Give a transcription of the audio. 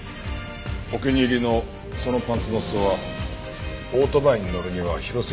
お気に入りのそのパンツの裾はオートバイに乗るには広すぎたようですね。